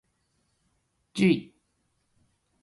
じゅい